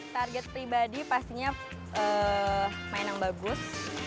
target pribadi pastinya mainan bagus